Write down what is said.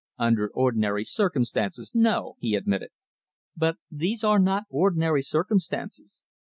"Under ordinary circumstances, no!" he admitted. "But these are not ordinary circumstances.